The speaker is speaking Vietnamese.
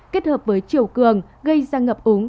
kết hợp với chiều cường gây ra ngập úng